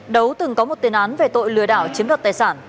đấu từng có một tên án về tội lừa đảo chiếm đọt tài sản